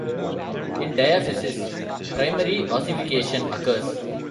In diaphysis, primary ossification occurs.